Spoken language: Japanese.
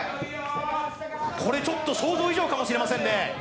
これ、想像以上かもしれませんね。